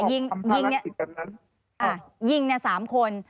ช่องกับทำฆาตภิกษ์อย่างนั้น